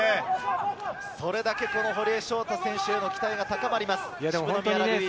それだけ堀江翔太選手への期待が高まります。